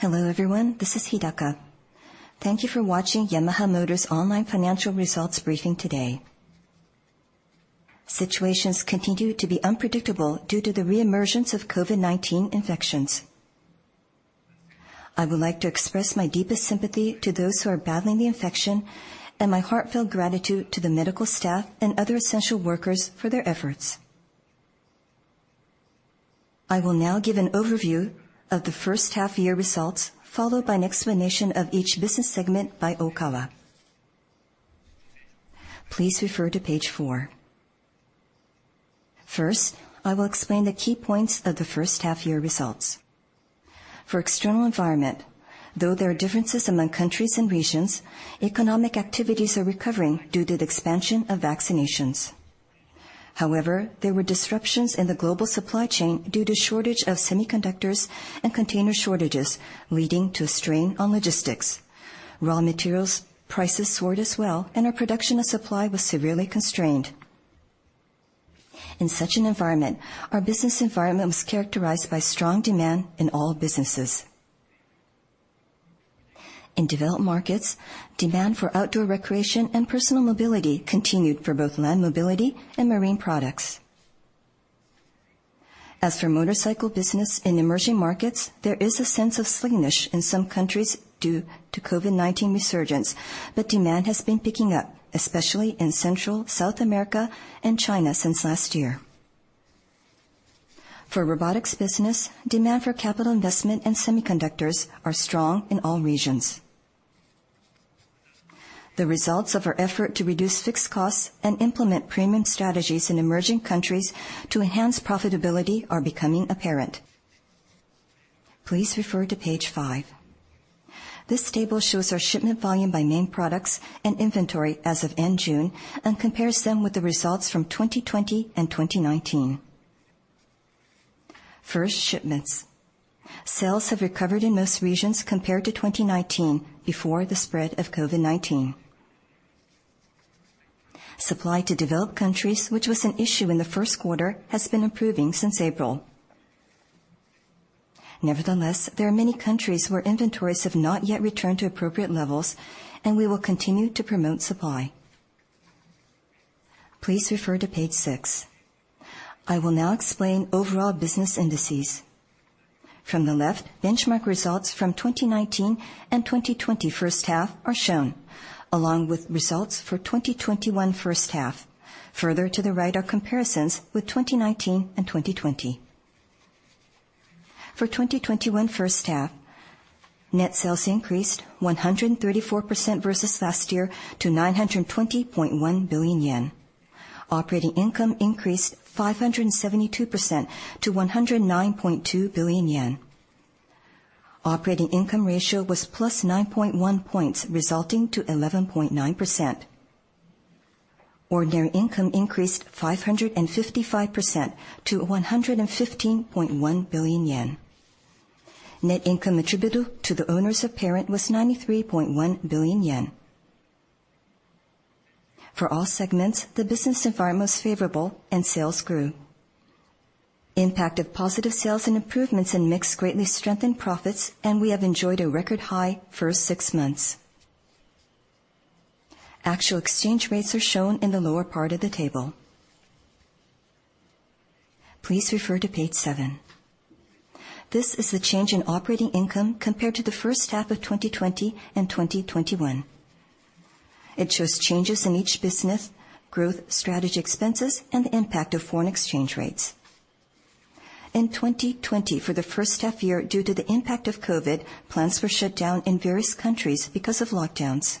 Hello, everyone. This is Hidaka. Thank you for watching Yamaha Motor's online financial results briefing today. Situations continue to be unpredictable due to the re-emergence of COVID-19 infections. I would like to express my deepest sympathy to those who are battling the infection and my heartfelt gratitude to the medical staff and other essential workers for their efforts. I will now give an overview of the first half-year results, followed by an explanation of each business segment by Ohkawa. Please refer to page four. First, I will explain the key points of the first half-year results. For external environment, though there are differences among countries and regions, economic activities are recovering due to the expansion of vaccinations. However, there were disruptions in the global supply chain due to shortage of semiconductors and container shortages, leading to a strain on logistics. Raw materials prices soared as well, and our production of supply was severely constrained. In such an environment, our business environment was characterized by strong demand in all businesses. In developed markets, demand for outdoor recreation and personal mobility continued for both Land Mobility and Marine Products. As for motorcycle business in emerging markets, there is a sense of slowness in some countries due to COVID-19 resurgence, but demand has been picking up, especially in Central, South America and China since last year. For Robotics business, demand for capital investment and semiconductors are strong in all regions. The results of our effort to reduce fixed costs and implement premium strategies in emerging countries to enhance profitability are becoming apparent. Please refer to page five. This table shows our shipment volume by main products and inventory as of end June, and compares them with the results from 2020 and 2019. First, shipments. Sales have recovered in most regions compared to 2019 before the spread of COVID-19. Supply to developed countries, which was an issue in the first quarter, has been improving since April. Nevertheless, there are many countries where inventories have not yet returned to appropriate levels, and we will continue to promote supply. Please refer to page six. I will now explain overall business indices. From the left, benchmark results from 2019 and 2020 first half are shown, along with results for 2021 first half. Further to the right are comparisons with 2019 and 2020. For 2021 first half, net sales increased 134% versus last year to 920.1 billion yen. Operating income increased 572% to 109.2 billion yen. Operating income ratio was plus 9.1 points, resulting to 11.9%. Ordinary income increased 555% to 115.1 billion yen. Net income attributable to the owners of parent was 93.1 billion yen. For all segments, the business environment was favorable and sales grew. Impact of positive sales and improvements in mix greatly strengthened profits, and we have enjoyed a record high first six months. Actual exchange rates are shown in the lower part of the table. Please refer to page seven. This is the change in operating income compared to the first half of 2020 and 2021. It shows changes in each business, growth strategy expenses, and the impact of foreign exchange rates. In 2020, for the first half year, due to the impact of COVID-19, plants were shut down in various countries because of lockdowns.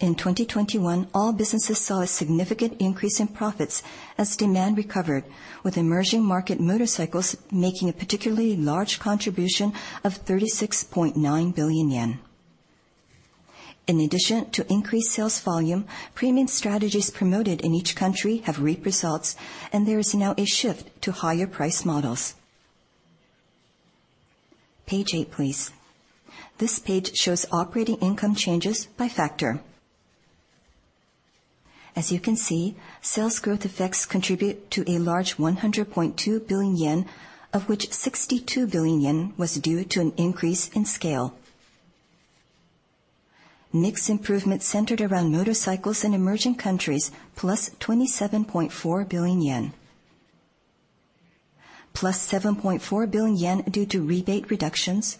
In 2021, all businesses saw a significant increase in profits as demand recovered, with emerging market motorcycles making a particularly large contribution of 36.9 billion yen. In addition to increased sales volume, premium strategies promoted in each country have reaped results, and there is now a shift to higher price models. Page eight, please. This page shows operating income changes by factor. As you can see, sales growth effects contribute to a large 100.2 billion yen, of which 62 billion yen was due to an increase in scale. Mix improvement centered around motorcycles in emerging countries, plus 27.4 billion yen. Plus 7.4 billion yen due to rebate reductions,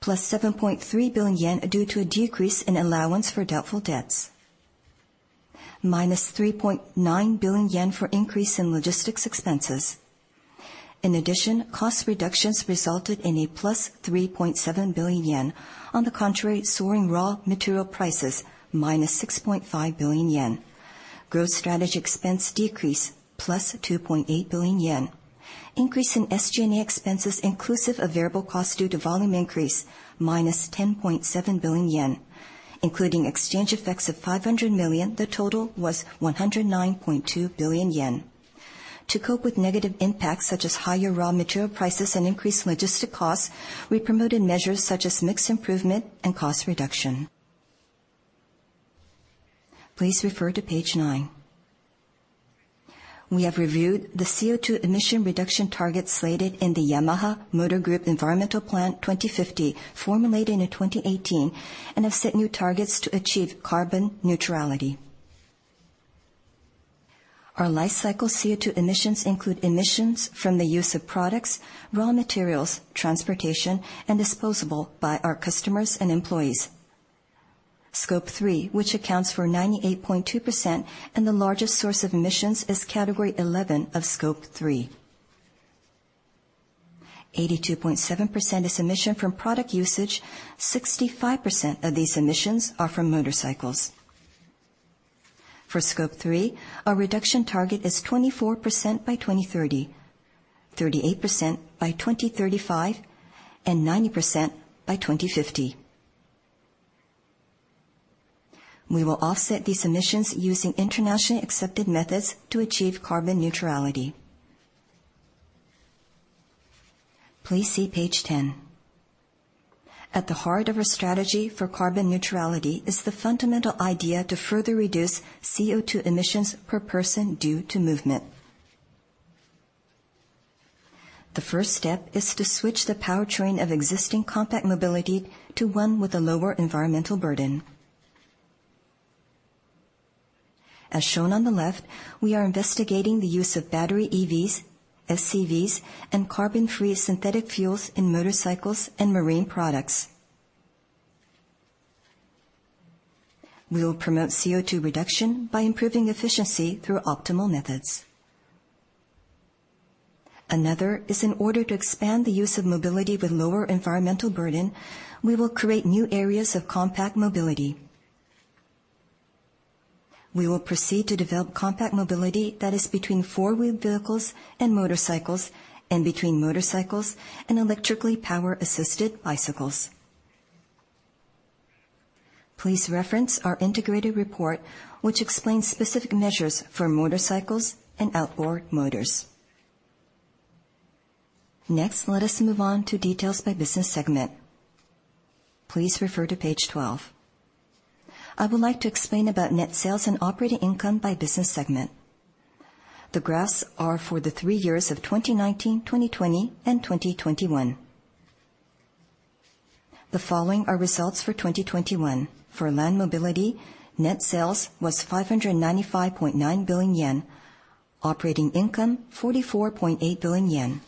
plus 7.3 billion yen due to a decrease in allowance for doubtful debts, minus 3.9 billion yen for increase in logistics expenses. In addition, cost reductions resulted in a plus 3.7 billion yen. On the contrary, soaring raw material prices, minus 6.5 billion yen. Growth strategy expense decrease, plus 2.8 billion yen. Increase in SG&A expenses inclusive of variable cost due to volume increase, minus 10.7 billion yen. Including exchange effects of 500 million, the total was 109.2 billion yen. To cope with negative impacts such as higher raw material prices and increased logistics costs, we promoted measures such as mix improvement and cost reduction. Please refer to page nine. We have reviewed the CO2 emission reduction target slated in the Yamaha Motor Group Environmental Plan 2050, formulated in 2018, and have set new targets to achieve carbon neutrality. Our life cycle CO2 emissions include emissions from the use of products, raw materials, transportation, and disposal by our customers and employees. Scope 3, which accounts for 98.2% and the largest source of emissions, is category 11 of Scope 3. 82.7% is emissions from product usage. 65% of these emissions are from motorcycles. For Scope 3, our reduction target is 24% by 2030, 38% by 2035, and 90% by 2050. We will offset these emissions using internationally accepted methods to achieve carbon neutrality. Please see page 10. At the heart of our strategy for carbon neutrality is the fundamental idea to further reduce CO2 emissions per person due to movement. The first step is to switch the powertrain of existing compact mobility to one with a lower environmental burden. As shown on the left, we are investigating the use of battery EVs, FCVs, and carbon-free synthetic fuels in motorcycles and marine products. We will promote CO2 reduction by improving efficiency through optimal methods. Another is in order to expand the use of mobility with lower environmental burden, we will create new areas of compact mobility. We will proceed to develop compact mobility that is between four-wheeled vehicles and motorcycles, and between motorcycles and electrically power-assisted bicycles. Please reference our integrated report, which explains specific measures for motorcycles and outboard motors. Let us move on to details by business segment. Please refer to page 12. I would like to explain about net sales and operating income by business segment. The graphs are for the three years of 2019, 2020, and 2021. The following are results for 2021. For Land Mobility, net sales was 595.9 billion yen, operating income, 44.8 billion yen.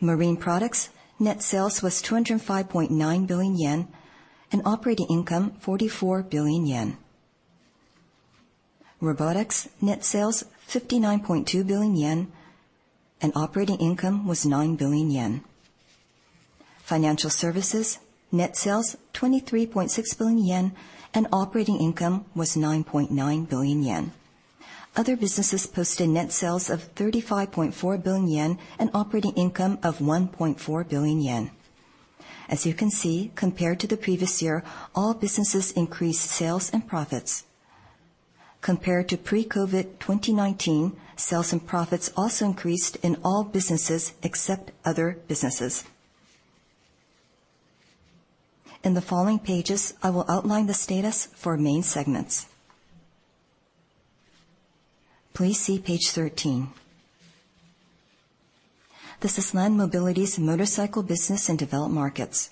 Marine Products, net sales was 205.9 billion yen, and operating income, 44 billion yen. Robotics, net sales, 59.2 billion yen, and operating income was 9 billion yen. Financial Services, net sales, 23.6 billion yen, and operating income was 9.9 billion yen. Other businesses posted net sales of 35.4 billion yen and operating income of 1.4 billion yen. As you can see, compared to the previous year, all businesses increased sales and profits. Compared to pre-COVID-19 2019, sales and profits also increased in all businesses except other businesses. In the following pages, I will outline the status for main segments. Please see page 13. This is Land Mobility's motorcycle business in developed markets.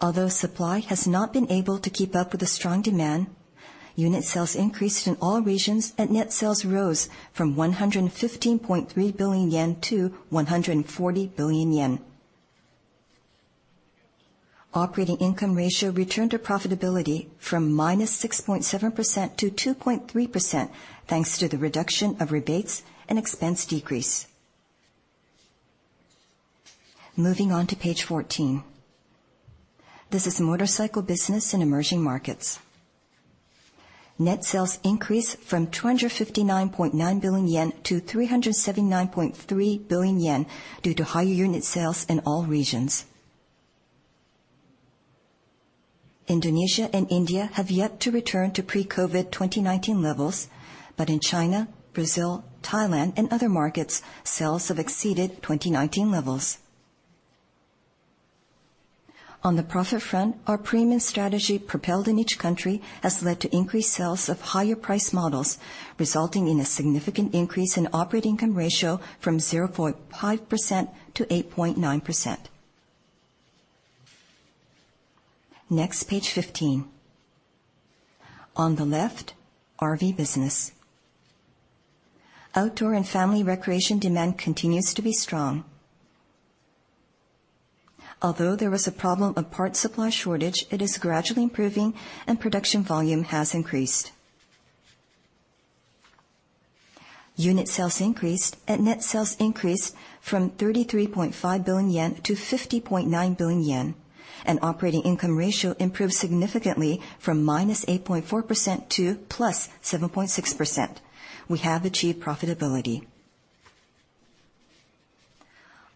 Although supply has not been able to keep up with the strong demand, unit sales increased in all regions, and net sales rose from 115.3 billion yen to 140 billion yen. Operating income ratio returned to profitability from -6.7% - 2.3% thanks to the reduction of rebates and expense decrease. Moving on to page 14. This is motorcycle business in emerging markets. Net sales increased from 259.9 - 379.3 billion due to higher unit sales in all regions. Indonesia and India have yet to return to pre-COVID-19 levels, but in China, Brazil, Thailand, and other markets, sales have exceeded 2019 levels. On the profit front, our premium strategy propelled in each country has led to increased sales of higher priced models, resulting in a significant increase in operating income ratio from 0.5% to 8.9%. Next, page 15. On the left, RV Business. Outdoor and family recreation demand continues to be strong. Although there was a problem of part supply shortage, it is gradually improving and production volume has increased. Unit sales increased and net sales increased from 33.5 billion yen to 50.9 billion yen, and operating income ratio improved significantly from -8.4% - +7.6%. We have achieved profitability.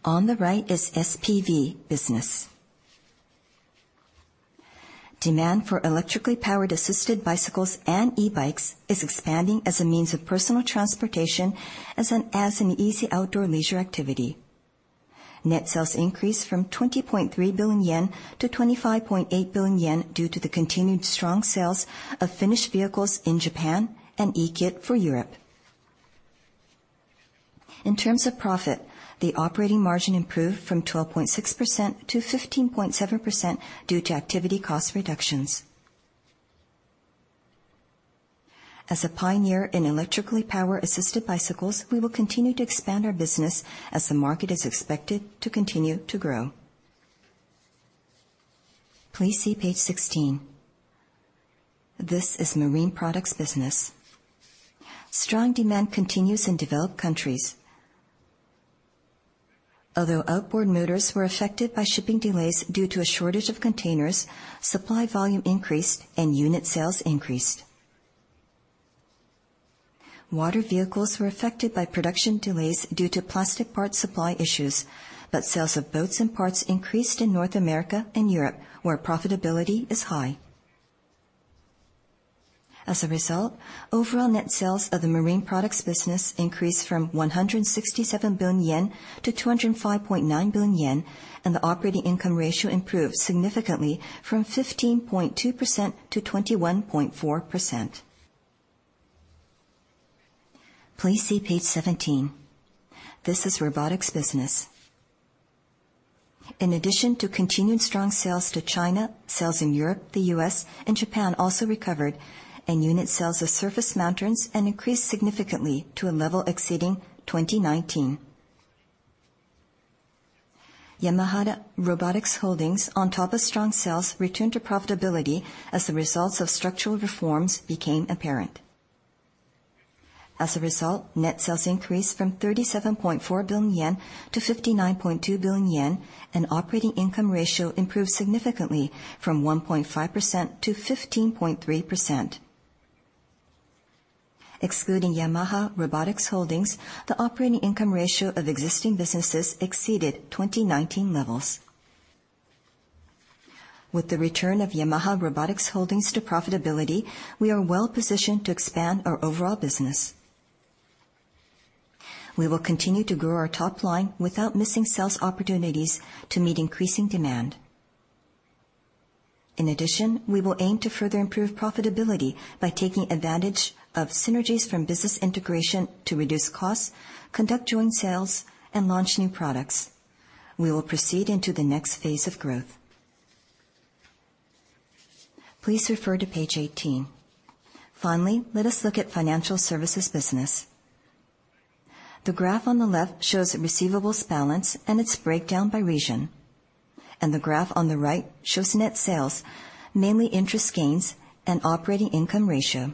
On the right is SPV Business. Demand for electrically power-assisted bicycles and e-bikes is expanding as a means of personal transportation as an easy outdoor leisure activity. Net sales increased from 20.3 - 25.8 billion due to the continued strong sales of finished vehicles in Japan and e-kit for Europe. In terms of profit, the operating margin improved from 12.6% to 15.7% due to activity cost reductions. As a pioneer in electrically power-assisted bicycles, we will continue to expand our business as the market is expected to continue to grow. Please see page 16. This is Marine Products business. Strong demand continues in developed countries. Although outboard motors were affected by shipping delays due to a shortage of containers, supply volume increased, and unit sales increased. Water vehicles were affected by production delays due to plastic part supply issues, but sales of boats and parts increased in North America and Europe, where profitability is high. As a result, overall net sales of the Marine Products business increased from 167 - 205.9 billion, and the operating income ratio improved significantly from 15.2% - 21.4%. Please see page 17. This is Robotics business. In addition to continued strong sales to China, sales in Europe, the U.S., and Japan also recovered, and unit sales of surface mounters increased significantly to a level exceeding 2019. Yamaha Robotics Holdings, on top of strong sales, returned to profitability as the results of structural reforms became apparent. As a result, net sales increased from 37.4 - 59.2 billion, and operating income ratio improved significantly from 1.5% - 15.3%. Excluding Yamaha Robotics Holdings, the operating income ratio of existing businesses exceeded 2019 levels. With the return of Yamaha Robotics Holdings to profitability, we are well-positioned to expand our overall business. We will continue to grow our top line without missing sales opportunities to meet increasing demand. In addition, we will aim to further improve profitability by taking advantage of synergies from business integration to reduce costs, conduct joint sales, and launch new products. We will proceed into the next phase of growth. Please refer to page 18. Finally, let us look at Financial Services business. The graph on the left shows receivables balance and its breakdown by region. The graph on the right shows net sales, mainly interest gains and operating income ratio.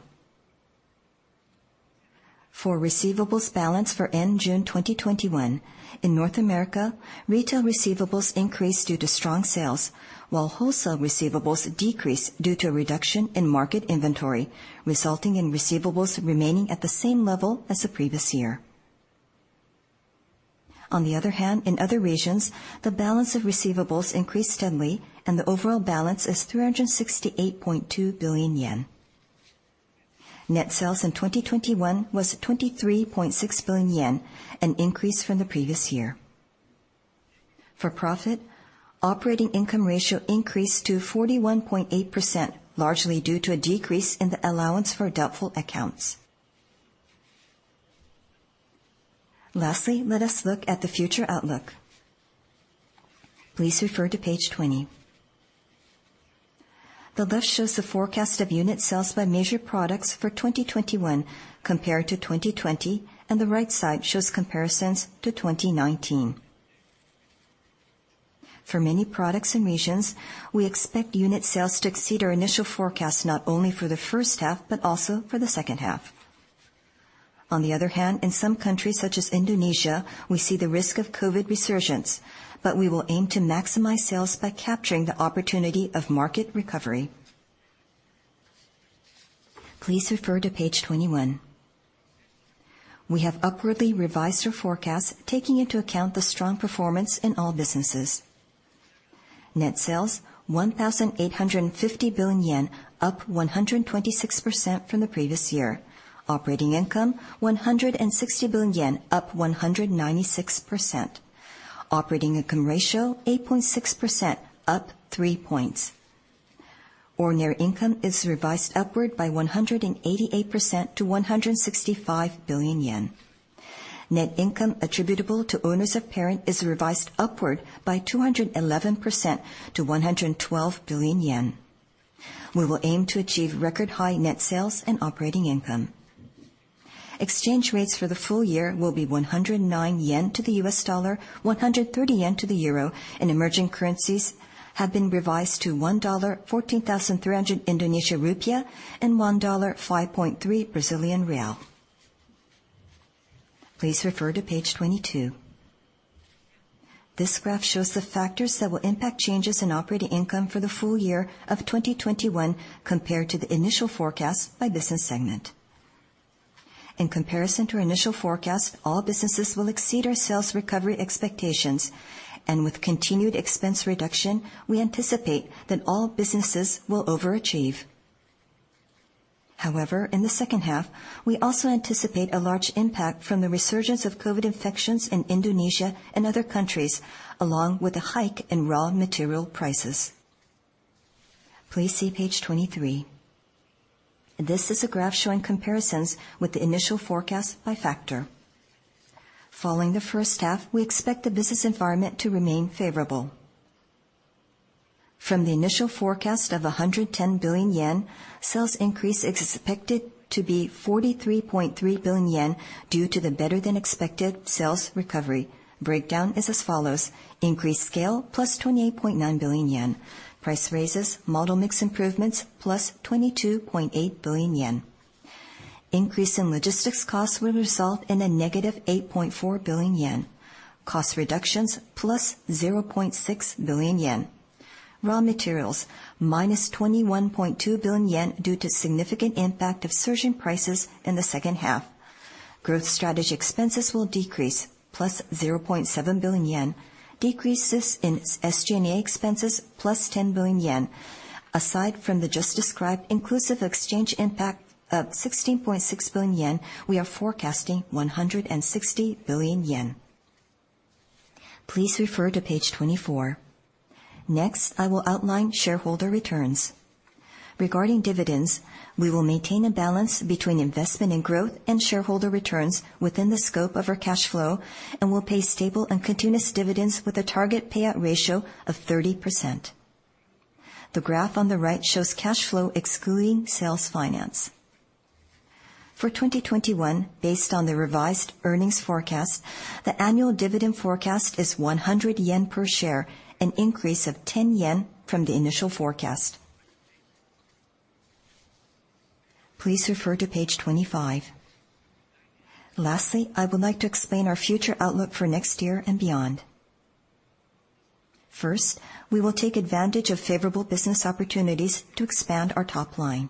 For receivables balance for end June 2021, in North America, retail receivables increased due to strong sales, while wholesale receivables decreased due to a reduction in market inventory, resulting in receivables remaining at the same level as the previous year. On the other hand, in other regions, the balance of receivables increased steadily and the overall balance is 368.2 billion yen. Net sales in 2021 was 23.6 billion yen, an increase from the previous year. For profit, operating income ratio increased to 41.8%, largely due to a decrease in the allowance for doubtful accounts. Lastly, let us look at the future outlook. Please refer to page 20. The left shows the forecast of unit sales by major products for 2021 compared to 2020, and the right side shows comparisons to 2019. For many products and regions, we expect unit sales to exceed our initial forecast, not only for the first half but also for the second half. On the other hand, in some countries, such as Indonesia, we see the risk of COVID-19 resurgence, but we will aim to maximize sales by capturing the opportunity of market recovery. Please refer to page 21. We have upwardly revised our forecast, taking into account the strong performance in all businesses. Net sales, 1,850 billion yen, up 126% from the previous year. Operating income, 160 billion yen, up 196%. Operating income ratio 8.6%, up three points. Ordinary income is revised upward by 188% to 165 billion yen. Net income attributable to owners of parent is revised upward by 211% to 112 billion yen. We will aim to achieve record-high net sales and operating income. Exchange rates for the full year will be 109 yen to the USD, JPY 130 to the EUR. Emerging currencies have been revised to USD 1 14,300 Indonesia rupiah and USD 1 5.3 Brazilian real. Please refer to page 22. This graph shows the factors that will impact changes in operating income for the full year of 2021 compared to the initial forecast by business segment. In comparison to our initial forecast, all businesses will exceed our sales recovery expectations. With continued expense reduction, we anticipate that all businesses will overachieve. However, in the second half, we also anticipate a large impact from the resurgence of COVID infections in Indonesia and other countries, along with a hike in raw material prices. Please see page 23. This is a graph showing comparisons with the initial forecast by factor. Following the first half, we expect the business environment to remain favorable. From the initial forecast of 110 billion yen, sales increase is expected to be 43.3 billion yen due to the better-than-expected sales recovery. Breakdown is as follows, increased scale, +28.9 billion yen. Price raises, model mix improvements, +22.8 billion yen. Increase in logistics costs will result in a negative 8.4 billion yen. Cost reductions, +0.6 billion yen. Raw materials, -21.2 billion yen due to significant impact of surging prices in the second half. Growth strategy expenses will decrease +0.7 billion yen. Decreases in SG&A expenses, +10 billion yen. Aside from the just described inclusive exchange impact of 16.6 billion yen, we are forecasting 160 billion yen. Please refer to page 24. Next, I will outline shareholder returns. Regarding dividends, we will maintain a balance between investment in growth and shareholder returns within the scope of our cash flow and will pay stable and continuous dividends with a target payout ratio of 30%. The graph on the right shows cash flow excluding sales finance. For 2021, based on the revised earnings forecast, the annual dividend forecast is 100 yen per share, an increase of 10 yen from the initial forecast. Please refer to page 25. I would like to explain our future outlook for next year and beyond. We will take advantage of favorable business opportunities to expand our top line.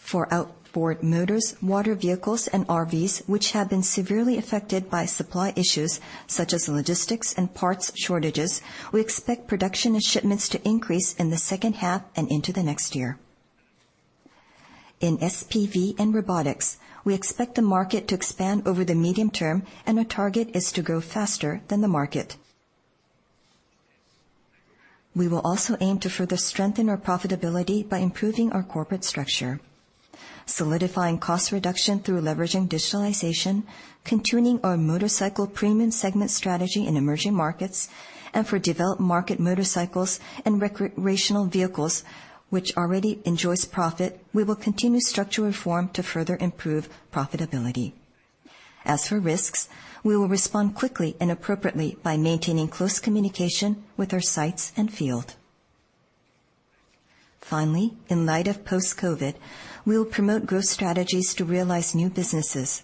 For outboard motors, water vehicles, and RVs, which have been severely affected by supply issues such as logistics and parts shortages, we expect production and shipments to increase in the second half and into the next year. In SPV and Robotics, we expect the market to expand over the medium term, and our target is to grow faster than the market. We will also aim to further strengthen our profitability by improving our corporate structure, solidifying cost reduction through leveraging digitalization, continuing our motorcycle premium segment strategy in emerging markets, and for developed market motorcycles and Recreational Vehicles, which already enjoys profit, we will continue structural reform to further improve profitability. As for risks, we will respond quickly and appropriately by maintaining close communication with our sites and field. Finally, in light of post-COVID-19, we will promote growth strategies to realize new businesses.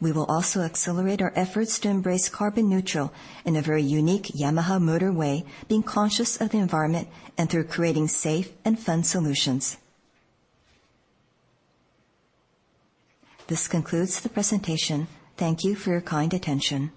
We will also accelerate our efforts to embrace carbon neutral in a very unique Yamaha Motor way, being conscious of the environment and through creating safe and fun solutions. This concludes the presentation. Thank you for your kind attention.